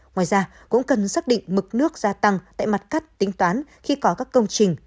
ngoài ra cũng cần xác định mực nước gia tăng tại mặt cắt tính toán khi có các công trình